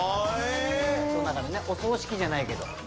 だからねお葬式じゃないけど。